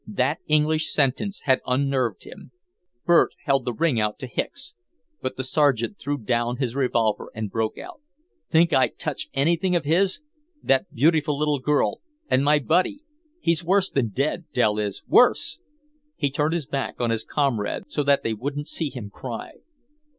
That English sentence had unnerved him. Bert held the ring out to Hicks, but the Sergeant threw down his revolver and broke out: "Think I'd touch anything of his? That beautiful little girl, and my buddy He's worse than dead, Dell is, worse!" He turned his back on his comrades so that they wouldn't see him cry.